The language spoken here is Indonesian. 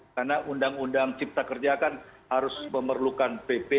karena undang undang cipta kerja kan harus memerlukan pp